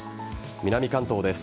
南関東です。